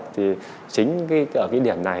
thì chính ở cái điểm này